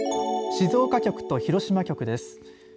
静岡局と広島局です。